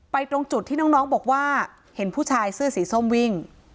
ตรงจุดที่น้องบอกว่าเห็นผู้ชายเสื้อสีส้มวิ่ง